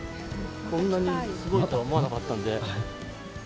こんなにすごいとは思わなかったんで。